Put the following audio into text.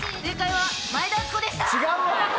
違うわ！